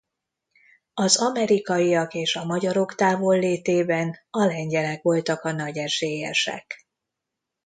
Az amerikaiak és a magyarok távollétében a lengyelek voltak a nagy esélyesek.